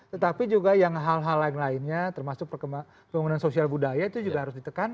tetapi juga yang hal hal lain lainnya termasuk pembangunan sosial budaya itu juga harus ditekan